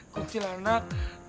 ganti lah anak